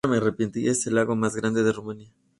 Es el lago más grande de Rumanía.